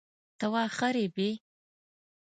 ته واخه ریبې؟